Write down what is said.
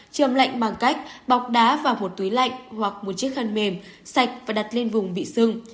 chầm lạnh bằng cách bọc đá và một túi lạnh hoặc một chiếc khăn mềm sạch và đặt lên vùng bị sưng